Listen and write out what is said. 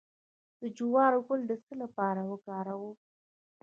د جوار ګل د څه لپاره وکاروم؟